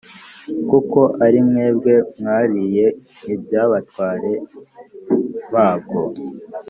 Kuko ari mwebwe mwariye n’iby’abatware babwo